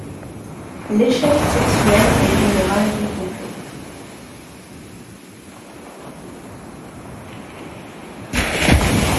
L'échec sexuel est général et complet.